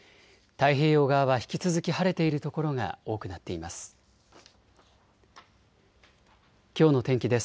太平洋側は引き続き晴れている所が多くなっています。